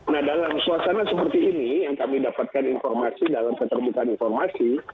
nah dalam suasana seperti ini yang kami dapatkan informasi dalam keterbukaan informasi